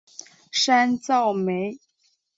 山噪鹛。